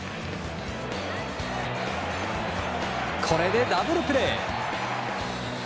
これでダブルプレー！